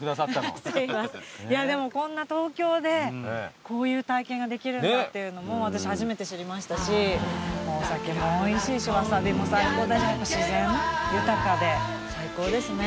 でもこんな東京でこういう体験ができるんだっていうのも私初めて知りましたしお酒もおいしいしワサビも最高だし自然豊かで最高ですね。